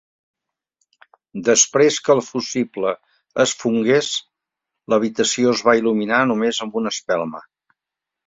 Després que el fusible es fongués, l'habitació es va il·luminar només amb una espelma.